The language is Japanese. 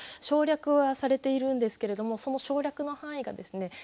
省略はされているんですけれどもその省略の範囲がですね